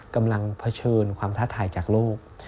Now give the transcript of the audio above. กำลังเผชิญความท้าทายจากโลก